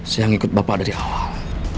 saya yang ikut bapak dari awal